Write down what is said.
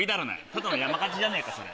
ただの山火事じゃねえかそれ。